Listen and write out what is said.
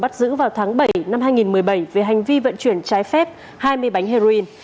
bắt giữ vào tháng bảy năm hai nghìn một mươi bảy về hành vi vận chuyển trái phép hai mươi bánh heroin